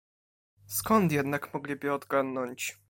"Skąd jednak mogliby odgadnąć?"